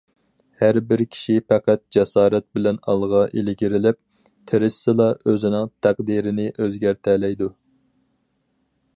ھەربىر كىشى پەقەت جاسارەت بىلەن ئالغا ئىلگىرىلەپ تىرىشسىلا ئۆزىنىڭ تەقدىرىنى ئۆزگەرتەلەيدۇ.